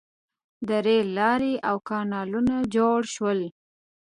• د رېل لارې او کانالونه جوړ شول.